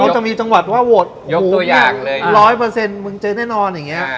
เขาจะมีจังหวัดว่าโหวตคุณ๑๐๐มึงเจอได้นอนอย่างนี้